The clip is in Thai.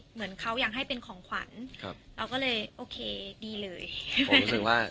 เหมือนเขายังให้เป็นของขวัญ